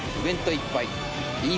いっぱい！